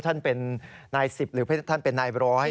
ท่านเป็นนาย๑๐หรือท่านเป็นนายร้อย